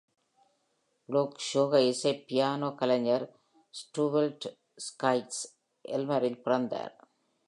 Blues சோக இசை piano கலைஞர் ரூஸ்வெல்ட் ஸ்கைக்ஸ் எல்மரில் பிறந்தார்.